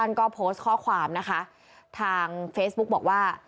ก็โพสต์ข้อความนะคะทางเฟซบุ๊กบอกว่า